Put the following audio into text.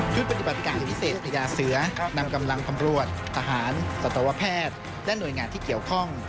ปฏิบัติการพิเศษพญาเสือนำกำลังตำรวจทหารสัตวแพทย์และหน่วยงานที่เกี่ยวข้อง